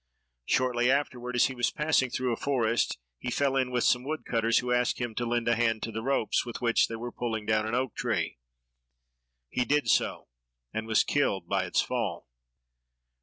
Shortly afterward, as he was passing through a forest, he fell in with some wood cutters, who asked him to lend a hand to the ropes with which they were pulling down an oak tree. He did so, and was killed by its fall.